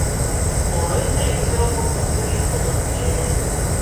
Оној од телевизорот го повтори истото движење.